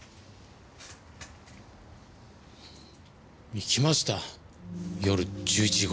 行きました夜１１時頃。